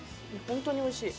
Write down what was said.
本当においしい。